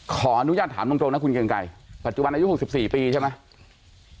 ขออนุญาตถามตรงนะคุณเกรงไกรปัจจุบันอายุ๖๔ปีใช่ไหม